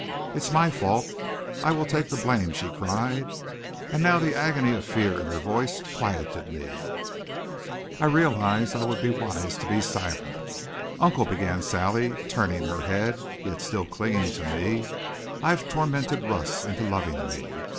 "It's my fault. I will take the blame," she cried, and now the agony of fear in her voice quieted me. I realized I would be wise to be silent. "Uncle," began Sally, turning her head, yet still clinging to me, "I've tormented Russ into loving me.